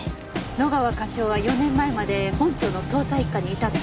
野川課長は４年前まで本庁の捜査一課にいたでしょ？